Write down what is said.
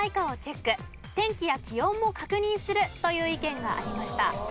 天気や気温も確認するという意見がありました。